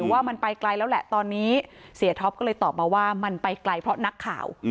ว่ามันไปไกลแล้วแหละตอนนี้เสียท็อปก็เลยตอบมาว่ามันไปไกลเพราะนักข่าว